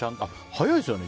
早いですよね。